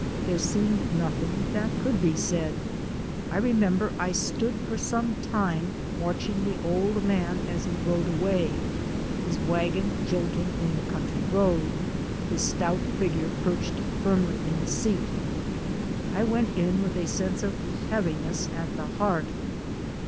There seemed nothing that could be said. I remember I stood for some time watching the old man as he rode away, his wagon jolting in the country road, his stout figure perched firmly in the seat. I went in with a sense of heaviness at the heart.